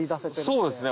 そうですね